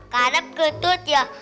kadang kentut ya